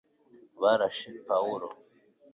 barashe pawulo